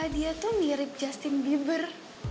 dia tuh mirip justin bieber